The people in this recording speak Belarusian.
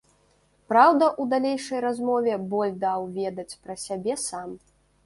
Праўда, у далейшай размове боль даў ведаць пра сябе сам.